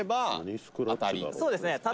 「そうですね。